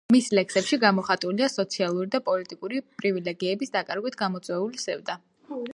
მის ლექსებში გამოხატულია სოციალური და პოლიტიკური პრივილეგიების დაკარგვით გამოწვეული სევდა.